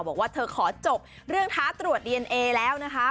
บอกว่าเธอขอจบเรื่องท้าตรวจดีเอนเอแล้วนะคะ